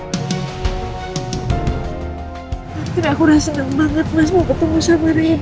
akhirnya aku udah seneng banget mas mau bertemu sama rena